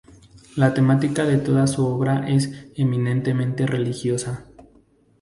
La temática de toda su obra es eminentemente religiosa.